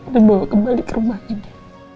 dan bawa kembali ke rumah ini